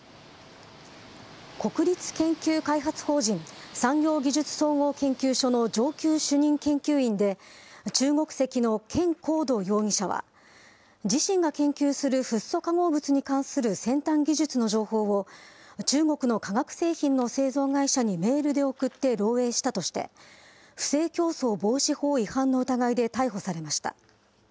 国立研究開発法人産業技術総合研究所の上級主任研究員で、中国籍の権恒道容疑者は、自身が研究するフッ素化合物に関する先端技術の情報を中国の化学製品の製造会社にメールで送って漏えいしたとして、不正競争防止法違反の疑いで逮捕されました。